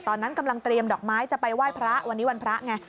ตอนนั้นกำลังเตรียมดอกไม้จะไปไหว้พระวันนี้วันพระไง